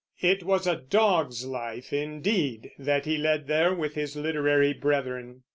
It was a dog's life, indeed, that he led there with his literary brethren.